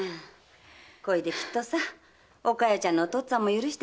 これできっとお加代ちゃんのお父っつぁんも許してくれるよ。